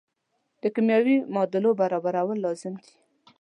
د کیمیاوي معادلو برابرول لازم دي.